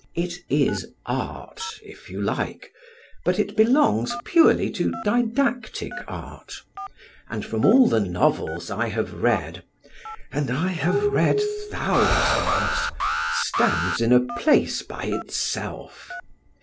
It is art, if you like, but it belongs purely to didactic art, and from all the novels I have read (and I have read thousands) stands in a place by itself.